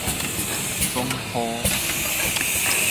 總鋪